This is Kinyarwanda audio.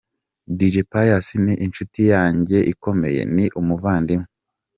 Dj Pius ni inshuti yanjye ikomeye, ni umuvandimwe.